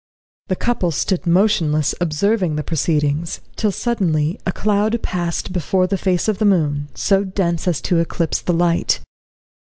] The couple stood motionless observing proceedings, till suddenly a cloud passed before the face of the moon, so dense as to eclipse the light.